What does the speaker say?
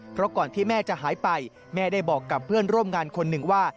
เพราะก่อนที่แม่จะหายไปแม่ได้บอกกับเพื่อนร่วมงานคนหนึ่งว่า